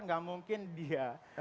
enggak mungkin dia